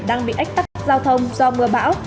đang bị ách tắt giao thông do mưa bão